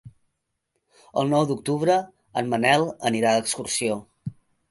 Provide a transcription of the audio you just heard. El nou d'octubre en Manel anirà d'excursió.